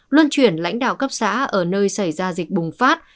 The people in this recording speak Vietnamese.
luân chuyển lãnh đạo cấp xã ở nơi xảy ra dịch bùng phát